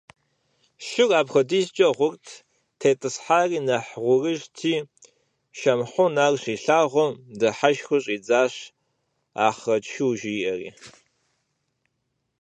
Шыр апхуэдизкӀэ гъурт, тетӀысхьари нэхъ гъурыжти, Шамхьун ар щилъагъум, дыхьэшхыу щӀидзащ, «Ахърэт шу» жиӀэри.